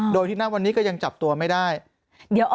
โดยที่ณวันนี้ก็ยังจับตัวไม่ได้